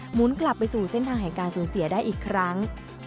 หมุนกลับไปสู่เส้นทางแห่งการสูญเสียได้อีกครั้ง